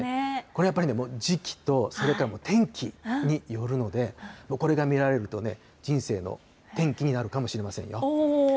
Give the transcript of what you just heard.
これ、やっぱりね、時期と、それから天気によるので、これが見られるとね、人生のてんきになるかもしれませんよ。